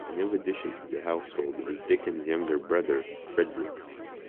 A new addition to the household was Dickens's younger brother Frederick.